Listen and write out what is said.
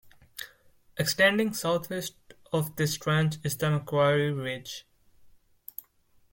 Extending southwest of this trench is the Macquarie Ridge.